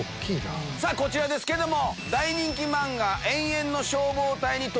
こちらですけども。